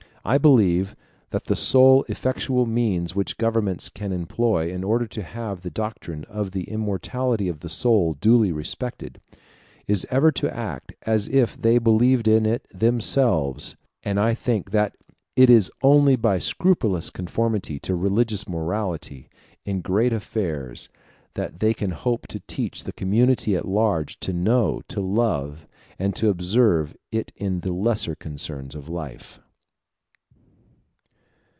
I believe that the sole effectual means which governments can employ in order to have the doctrine of the immortality of the soul duly respected, is ever to act as if they believed in it themselves; and I think that it is only by scrupulous conformity to religious morality in great affairs that they can hope to teach the community at large to know, to love, and to observe it in the lesser concerns of life.